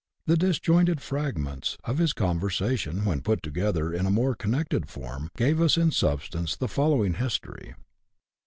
The disjointed fragments of his conversation, when put together in a more connected form, gave us in substance the following history.